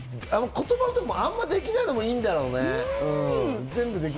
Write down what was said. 言葉とかがあまりできないのがいいんだろうね。